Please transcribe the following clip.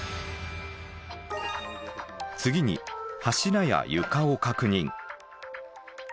次に柱や床を確認。